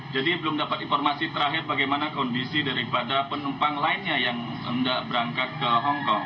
jadi belum dapat informasi terakhir bagaimana kondisi daripada penumpang lainnya yang tidak berangkat ke hong kong